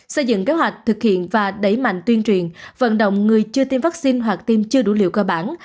xây dựng kế hoạch thực hiện và đẩy mạnh tuyên truyền vận động người chưa tiêm vaccine hoặc tiêm chưa đủ liều cơ bản